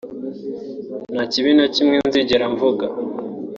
nta kibi na kimwe nzigera mvuga